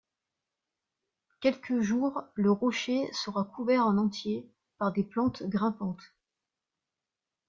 Quelque jour le rocher sera couvert en entier par des plantes grimpantes.